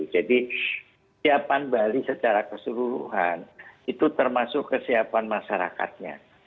jadi siapan bali secara keseluruhan itu termasuk kesiapan masyarakatnya